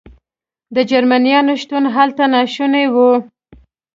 د جرمنیانو شتون هلته ناشونی و.